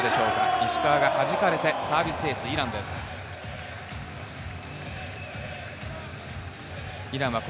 石川がはじかれてサービスエース、イランです。